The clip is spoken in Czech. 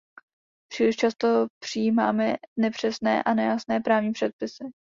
Příliš často přijímáme nepřesné a nejasné právní předpisy.